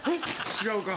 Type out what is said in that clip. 違うか。